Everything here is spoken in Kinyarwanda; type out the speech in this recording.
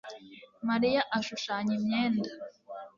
Mariya ashushanya imyenda